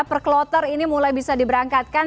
perkloter ini mulai bisa diberangkatkan